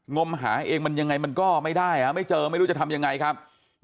มหาเองมันยังไงมันก็ไม่ได้ไม่เจอไม่รู้จะทำยังไงครับ